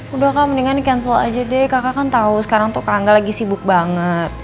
udah kan mendingan di cancel aja deh kakak kan tahu sekarang tuh ke angga lagi sibuk banget